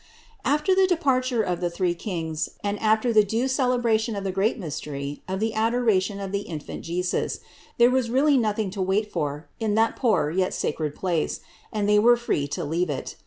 573. After the departure of the three Kings and after the due celebration of the great mystery of the adoration of the Infant Jesus, there was really nothing to wait for in that poor yet sacred place, and they were free to leave it.